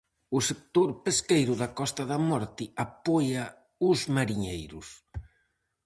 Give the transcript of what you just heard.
O sector pesqueiro da Costa da Morte apoia os mariñeiros.